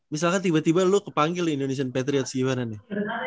misalkan tiba tiba lu kepanggil indonesian patriots gimana nih